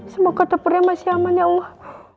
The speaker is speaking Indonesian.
semoga tepurnya masih aman ya allah